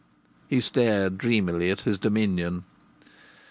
He stared dreamily at his dominion.